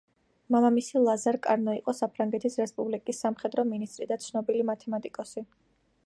მამამისი ლაზარ კარნო იყო საფრანგეთის რესპუბლიკის სამხედრო მინისტრი და ცნობილი მათემატიკოსი.